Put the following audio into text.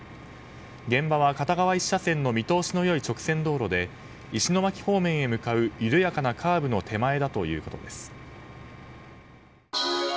現場は片側１車線の見通しの良い直線道路で石巻方面に向かう緩やかなカーブの手前だということです。